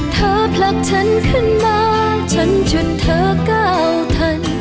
ผลักฉันขึ้นมาฉันจนเธอก้าวทัน